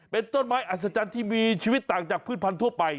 เป็นต้นไม้อัศจรรย์ที่มีชีวิตต่างจากพืชพันธั่วไป